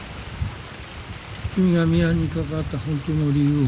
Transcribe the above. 君がミハンに関わった本当の理由を。